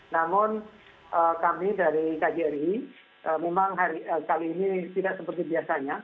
namun kami dari kjri memang kali ini tidak seperti biasanya